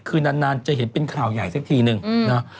คือนานจะเห็นเป็นข่าวใหญ่สักทีนึงนะ